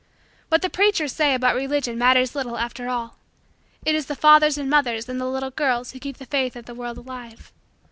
What the preachers say about Religion matters little after all. It is the fathers and mothers and the little girls who keep the faith of the world alive.